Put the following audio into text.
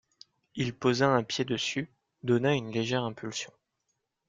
Il posa un pied dessus, donna une légère impulsion.